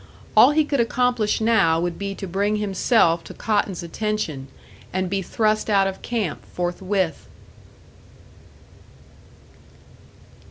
All he could accomplish now would be to bring himself to Cotton's attention, and be thrust out of camp forthwith.